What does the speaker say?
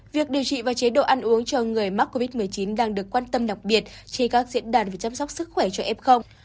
việc điều trị và chế độ ăn uống cho người mắc covid một mươi chín đang được quan tâm đặc biệt trên các diễn đàn về chăm sóc sức khỏe cho f